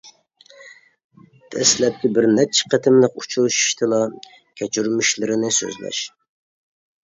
دەسلەپكى بىر نەچچە قېتىملىق ئۇچرىشىشتىلا كەچۈرمىشلىرىنى سۆزلەش.